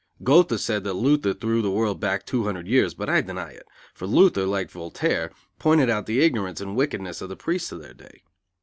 Goethe said that Luther threw the world back two hundred years, but I deny it; for Luther, like Voltaire, pointed out the ignorance and wickedness of the priests of their day.